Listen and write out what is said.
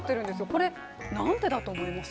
これ何でだと思います？